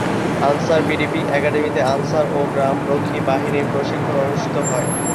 আনসার-ভিডিপি একাডেমিতে আনসার ও গ্রামরক্ষী বাহিনীর প্রশিক্ষণ অনুষ্ঠিত হয়।